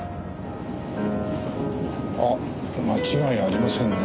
あっ間違いありませんね。